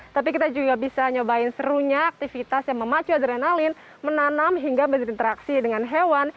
tapi kita juga bisa nyobain serunya aktivitas yang memacu adrenalin menanam hingga berinteraksi dengan hewan